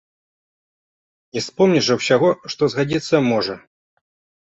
Не спомніш жа ўсяго, што згадзіцца можа.